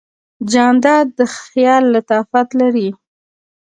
جانداد د خیال لطافت لري.